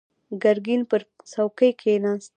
ګرګين پر څوکۍ کېناست.